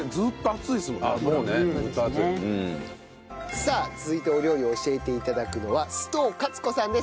さあ続いてお料理を教えて頂くのは須藤勝子さんです。